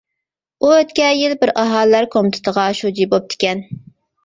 ئۇ ئۆتكەن يىل بىر ئاھالىلەر كومىتېتىغا شۇجى بوپتىكەن.